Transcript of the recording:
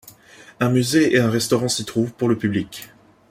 Un musée et un restaurant s'y trouvent pour le public.